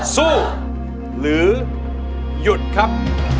สู้หรือหยุดครับ